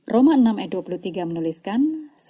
roma enam ayat dua puluh tiga menuliskan